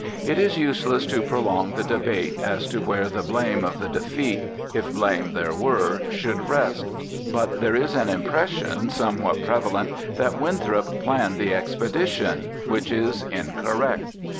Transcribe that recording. It is useless to prolong the debate as to where the blame of the defeat, if blame there were, should rest. But there is an impression somewhat prevalent that Winthrop planned the expedition, which is incorrect.